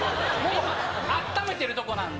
今、あっためてるところなんで。